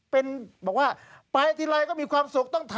เป็นว่าไปอย่างไรก็มีความสุข